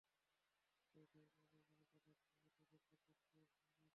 দুই দফা পরাজয়ের অভিজ্ঞতা থেকে এবার নিজেকে বেশ পরিণত মনে হচ্ছিল।